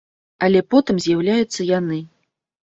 Але потым з'яўляюцца яны.